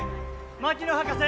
・槙野博士！